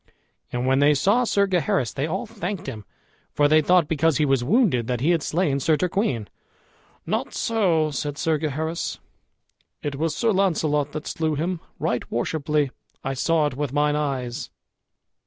And when they saw Sir Gaheris they all thanked him, for they thought, because he was wounded, that he had slain Sir Turquine. "Not so," said Sir Gaheris; "it was Sir Launcelot that slew him, right worshipfully; I saw it with mine eyes."